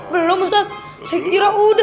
belum ustadz saya kira udah